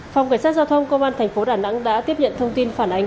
phòng cảnh sát giao thông công an thành phố đà nẵng đã tiếp nhận thông tin phản ánh